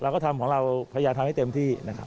เราก็ทำของเราพยายามทำให้เต็มที่นะครับ